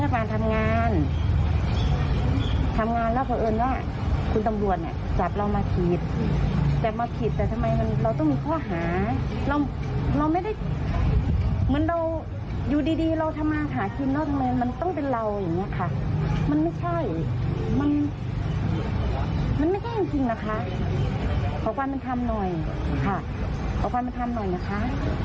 มันไม่ใช่จริงนะคะขอบความมันทำหน่อยนะคะ